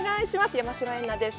山代エンナです。